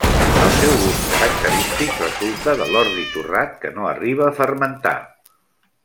El seu gust característic resulta de l'ordi torrat que no arriba a fermentar.